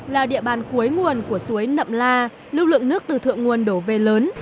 là địa bàn cuối nguồn của suối nậm la lưu lượng nước từ thượng nguồn đổ về lớn